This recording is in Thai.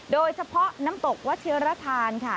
โดยเฉพาะน้ำตกวัชิรทานค่ะ